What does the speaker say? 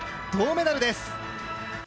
銅メダルです。